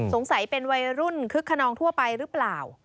สงสัยเป็นวัยรุ่นคึกขนองทั่วไปหรือเปล่า